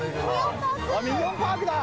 ミニオン・パークだ！」